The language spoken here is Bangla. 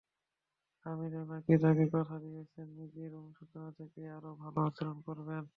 আমিরও নাকি তাঁকে কথা দিয়েছেন, নিজের অনুশোচনা থেকেই আরও ভালো আচরণ করবেন।